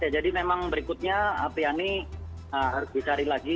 jadi memang berikutnya apri ini harus dicari lagi